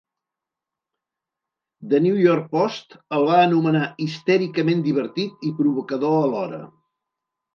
"The New York Post" el va anomenar "histèricament divertit i provocador alhora".